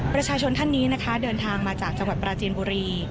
ท่านนี้นะคะเดินทางมาจากจังหวัดปราจีนบุรี